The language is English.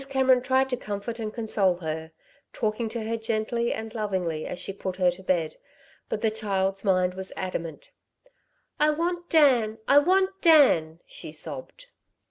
Cameron tried to comfort and console her, talking to her gently and lovingly as she put her to bed, but the child's mind was adamant. "I want Dan! I want Dan!" she sobbed.